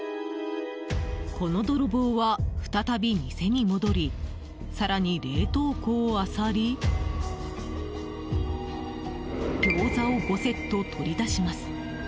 この泥棒は、再び店に戻り更に冷凍庫をあさりギョーザを５セット取り出します。